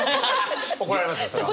怒られますよそれは。